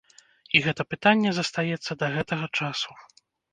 І гэта пытанне застаецца да гэтага часу.